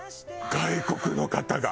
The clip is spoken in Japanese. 外国の方が。